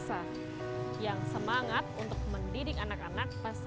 kisah selanjutnya datang dari seorang teman pahlawan tanpa tanda jasa